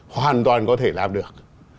hoàn toàn có thể làm được